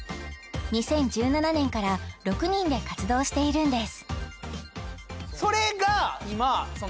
２０１７年から６人で活動しているんです